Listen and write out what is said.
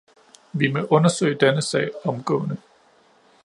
Vi må undersøge denne sag omgående.